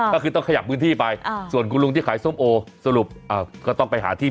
ก็คือต้องขยับพื้นที่ไปส่วนคุณลุงที่ขายส้มโอสรุปก็ต้องไปหาที่